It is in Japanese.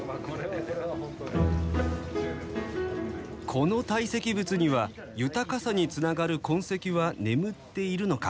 この堆積物には豊かさにつながる痕跡は眠っているのか？